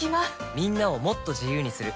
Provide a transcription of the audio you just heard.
みんなをもっと自由にする「三菱冷蔵庫」